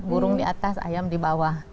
burung di atas ayam di bawah